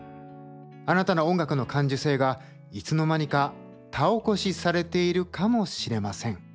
あなたの音楽の感受性がいつの間にか田起こしされているかもしれません。